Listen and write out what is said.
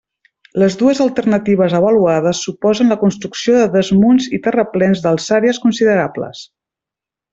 Les dues alternatives avaluades suposen la construcció de desmunts i terraplens d'alçàries considerables.